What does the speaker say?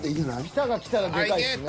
ピタッがきたらでかいっすね。